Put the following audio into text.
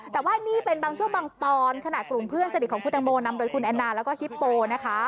แต่ว่านี่เป็นบางช่วงบางตอนขณะกลุ่มเพื่อนสนิทของคุณตังโมนำโดยคุณแอนนาแล้วก็ฮิปโปนะคะ